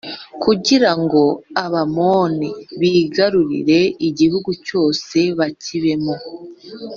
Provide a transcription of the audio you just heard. kugira ngo Abamoni bigarurire igihugu cyabo bakibemo.